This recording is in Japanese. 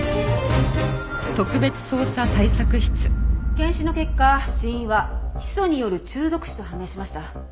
検視の結果死因はヒ素による中毒死と判明しました。